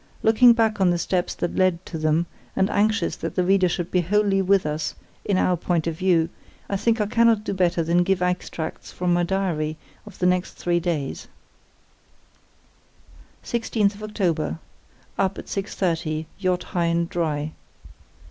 Looking back on the steps that led to them, and anxious that the reader should be wholly with us in our point of view, I think I cannot do better than give extracts from my diary of the next three days: "Oct. 16 (up at 6.30, yacht high and dry).